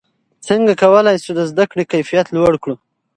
څنګه کولای شو د زده کړې کیفیت لوړ کړو؟